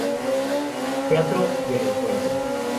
Teatro del Encuentro.